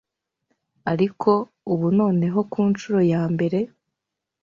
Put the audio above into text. Ariko ubu noneho ku nshuro ya mbere,